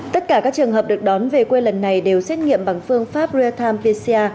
tất cả các trường hợp được đón về quê lần này đều xét nghiệm bằng phương pháp real time pcr